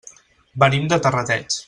Venim de Terrateig.